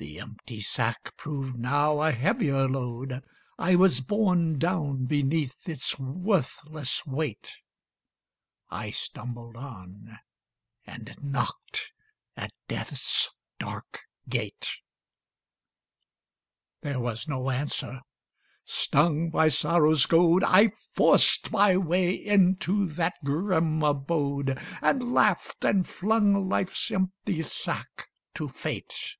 The empty sack proved now a heavier load: I was borne down beneath its worthless weight. I stumbled on, and knocked at Death's dark gate. There was no answer. Stung by sorrow's goad I forced my way into that grim abode, And laughed, and flung Life's empty sack to Fate.